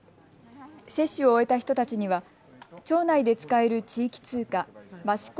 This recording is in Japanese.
接種を終えた人たちには町内で使える地域通貨、ましこ